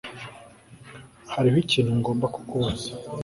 Hariho ikintu ngomba kukubaza